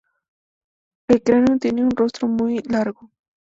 El cráneo tiene un rostro muy largo.